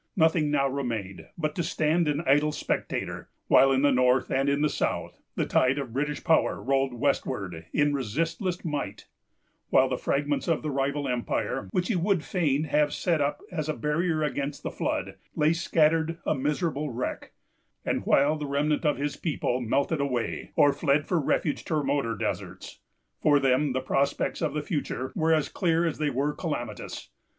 Nothing now remained but to stand an idle spectator, while, in the north and in the south, the tide of British power rolled westward in resistless might; while the fragments of the rival empire, which he would fain have set up as a barrier against the flood, lay scattered a miserable wreck; and while the remnant of his people melted away or fled for refuge to remoter deserts. For them the prospects of the future were as clear as they were calamitous.